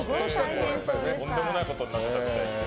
とんでもないことになってたみたいですよ。